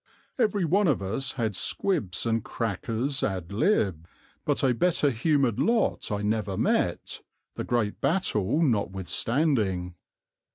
Every one of us had squibs and crackers ad lib.; but a better humoured lot I never met, the great battle notwithstanding.